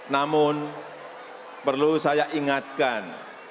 namun perlu saya ingatkan